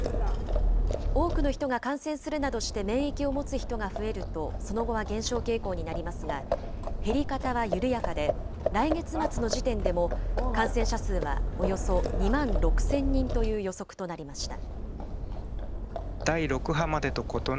多くの人が感染するなどして免疫を持つ人が増えるとその後は減少傾向になりますが、減り方は緩やかで、来月末の時点でも感染者数はおよそ２万６０００人という予測となりました。